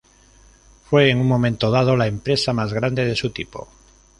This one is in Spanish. Fue, en un momento dado, la empresa más grande de su tipo.